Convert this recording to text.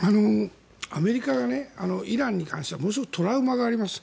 アメリカがイランに関してはものすごくトラウマがあります。